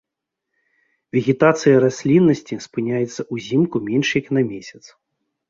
Вегетацыя расліннасці спыняецца ўзімку менш як на месяц.